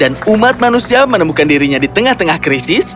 dan umat manusia menemukan dirinya di tengah tengah krisis